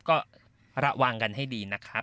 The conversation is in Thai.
ก็ระวังกันให้ดีนะครับ